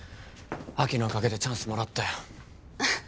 晶のおかげでチャンスもらったよ